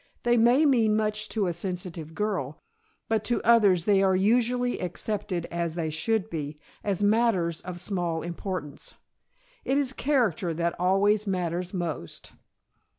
They may mean much to a sensitive girl, but to others they are usually accepted as they should be, as matters of small importance. It is character that always matters most.